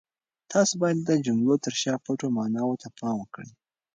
تاسو باید د جملو تر شا پټو ماناوو ته پام وکړئ.